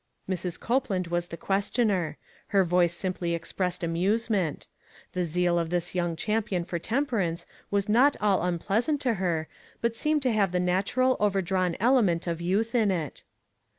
Mrs. Copeland was the questioner. Her voice simply expressed amusement. The zeal of this young champion for temperance was not all unpleasant to her, but seemed to have the natural, overdrawn element of youth in it.